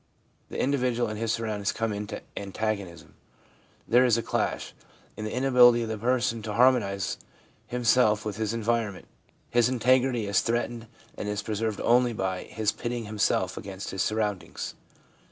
The individual and his surroundings come into antagonism. There is a clash. In the inability of the' person to harmonise himself with his environment, his integrity is threatened and is preserved only by his pitting himself against his surroundings.